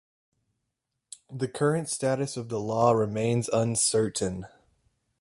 The current status of the law remains uncertain.